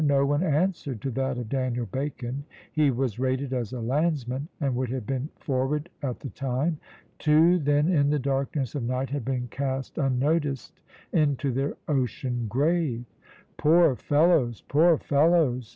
No one answered to that of Daniel Bacon. He was rated as a landsman, and would have been forward at the time. Two, then, in the darkness of night had been cast unnoticed into their ocean grave. "Poor fellows! poor fellows!"